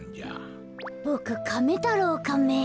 ボクカメ太郎カメ。